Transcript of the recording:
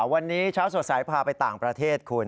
วันนี้เช้าสดใสพาไปต่างประเทศคุณ